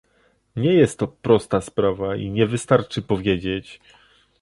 Nie jest to prosta sprawa i nie wystarczy powiedzieć